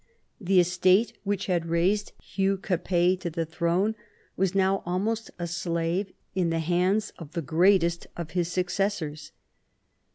The estate which had raised Hugh Capet to the throne was now almost a slave in the hands of the greatest of his successors.